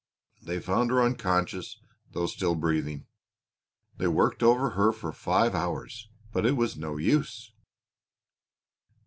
They found her unconscious though still breathing; they worked over her for five hours, but it was no use."